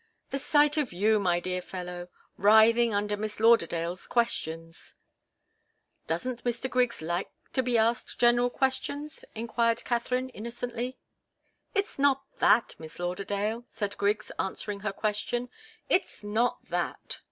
"The sight of you, my dear fellow, writhing under Miss Lauderdale's questions." "Doesn't Mr. Griggs like to be asked general questions?" enquired Katharine, innocently. "It's not that, Miss Lauderdale," said Griggs, answering her question. "It's not that.